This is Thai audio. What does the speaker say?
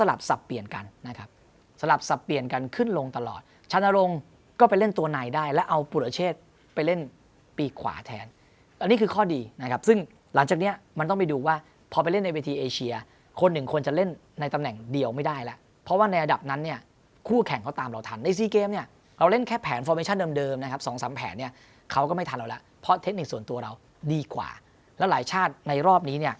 อันนี้คือข้อดีนะครับซึ่งหลังจากเนี้ยมันต้องไปดูว่าพอไปเล่นในเวทีเอเชียคนหนึ่งคนจะเล่นในตำแหน่งเดียวไม่ได้ล่ะเพราะว่าในอันดับนั้นเนี้ยคู่แข่งเขาตามเราทันในซีเกมเนี้ยเราเล่นแค่แผนเดิมเดิมนะครับสองสามแผนเนี้ยเขาก็ไม่ทันแล้วล่ะเพราะเทคนิคส่วนตัวเราดีกว่าแล้วหลายชาติในรอบน